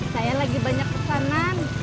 saya lagi banyak kesanan